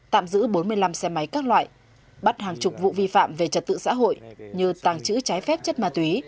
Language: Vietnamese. tạm giữ bốn mươi năm xe máy các loại bắt hàng chục vụ vi phạm về trật tự xã hội như tàng trữ trái phép chất ma túy